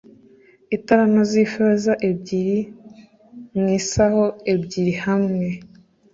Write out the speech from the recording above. italanto z ifeza ebyiri mu isaho ebyiri hamwe